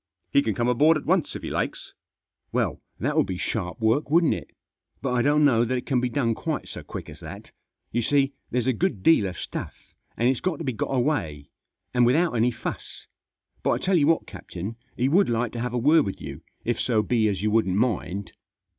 w He can come aboard at once if he likes." M Well, that would be sharp work, wouldn't it? But I don't know that it can be done quite so quick as that You see, there's a good deal of stuff, and it's got to be got away, and without any fuss. But I tell you what, captain, he would like to have a word with you, if so be as you wouldn't mind."